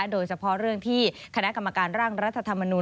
โดยเฉพาะเรื่องที่คณะกรรมการร่างรัฐธรรมนูล